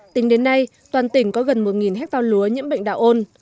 tỉnh đến nay toàn tỉnh có gần một hectare lúa nhiễm bệnh đào ôn